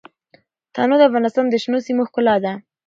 تنوع د افغانستان د شنو سیمو ښکلا ده.